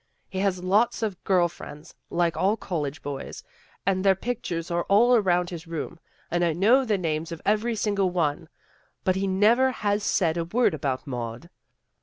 He has lots of girl friends, like all college boys, and their pictures are all around his room, and I know the names of every single one. But he never has said a word about Maud."